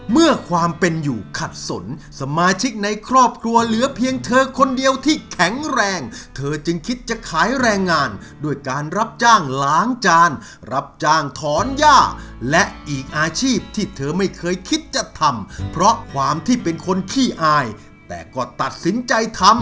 เมื่อความเป็นอยู่ขัดสนสมาชิกในครอบครัวเหลือเพียงเธอคนเดียวที่แข็งแรงเธอจึงคิดจะขายแรงงานด้วยการรับจ้างล้างจานรับจ้างถอนย่าและอีกอาชีพที่เธอไม่เคยคิดจะทำเพราะความที่เป็นคนขี้อายแต่ก็ตัดสินใจทำ